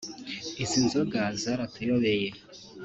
izi nzoga zaratuyobeye